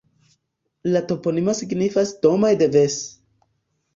La toponimo signifas Domoj de Ves.